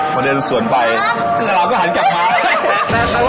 พอเดินส่วนไปตัวเราก็หันกลับมา